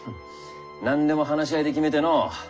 何でも話し合いで決めての。